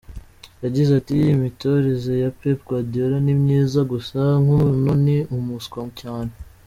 Yagize ati “Imitoreze ya Pep Guardiola ni myiza, gusa nk’umuntu ni umuswa cyane.